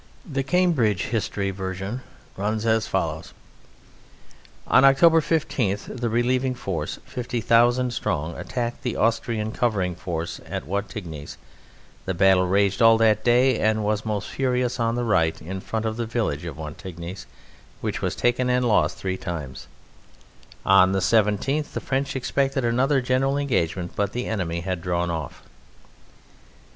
The "Cambridge History" version runs as follows: On October 15 the relieving force, 50,000 strong, attacked the Austrian covering force at Wattignies; the battle raged all that day and was most furious on the right, in front of the village of Wattignies, which was taken and lost three times; on the 17th the French expected another general engagement but the enemy had drawn off.